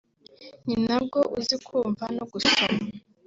nti ntabwo uzi kumva no gusoma